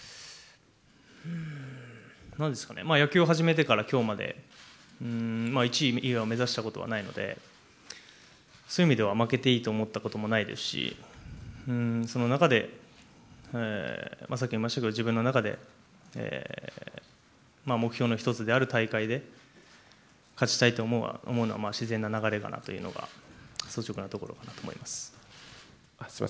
なんですかね、野球を始めてからきょうまで、１位以外を目指したことはないので、そういう意味では、負けていいと思ったことはないですし、その中で、さっきも言いましたけど、自分の中で、目標の一つである大会で、勝ちたいと思うのは、自然な流れかなというのが、率直なところだと思います。